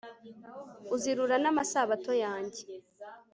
uzirura namasabato yanjye